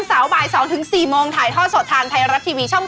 เสาร์บ่าย๒๔โมงถ่ายท่อสดทางไทยรัฐทีวีช่อง๓